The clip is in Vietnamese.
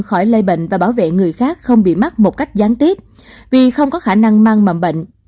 khỏi lây bệnh và bảo vệ người khác không bị mắc một cách khác